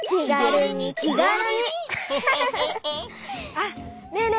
あっねえね